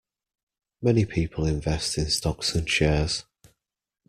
Many people invest in stocks and shares